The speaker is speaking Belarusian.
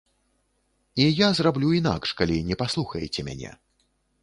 І я зраблю інакш, калі не паслухаеце мяне!